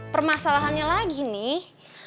permasalahannya lagi nih